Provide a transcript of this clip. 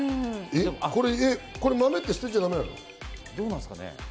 豆って捨てちゃだめなの？